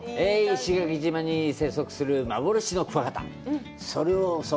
石垣島に生息する幻のクワガタ。